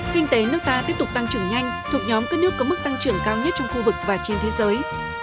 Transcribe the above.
kinh tế nước ta tiếp tục tăng trưởng nhanh thuộc nhóm các nước có mức tăng trưởng cao nhất trong khu vực và trên thế giới